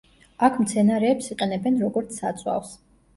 აქ მცენარეებს იყენებენ, როგორც საწვავს.